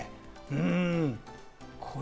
うん。